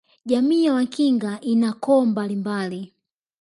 Jamii ya Wakinga ina koo mbalimbali